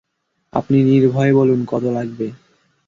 আপনি নির্ভয়ে বলুন কত লাগবে।